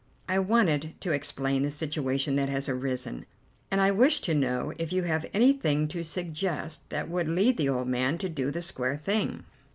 "I wanted to explain the situation that has arisen, and I wish to know if you have anything to suggest that will lead the old man to do the square thing?"